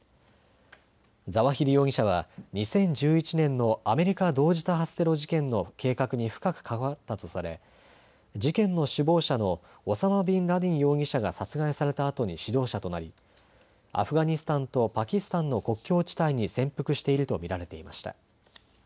ザワヒリ容疑者は２０１１年のアメリカ同時多発テロ事件の計画に深く関わったとされ、事件の首謀者のオサマ・ビンラディン容疑者が殺害されたあとに指導者となりアフガニスタンとパキスタンの国境地帯に潜伏していると見られていました。